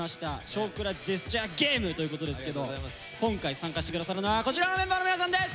「少クラジェスチャーゲーム！！」ということですけど今回参加して下さるのはこちらのメンバーの皆さんです！